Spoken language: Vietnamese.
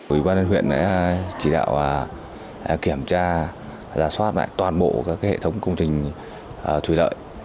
ủy ban nhân huyện đã chỉ đạo kiểm tra giả soát lại toàn bộ các hệ thống công trình thủy lợi